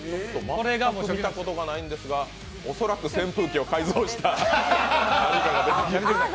全く見たことがないんですが、恐らく扇風機を改造した何かだと思います。